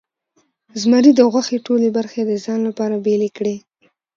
زمري د غوښې ټولې برخې د ځان لپاره بیلې کړې.